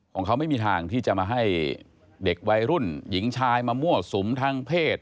ของเขาไม่มีทางที่จะมาให้เด็กวัยรุ่นหญิงชายมามั่วสุมทางเพศ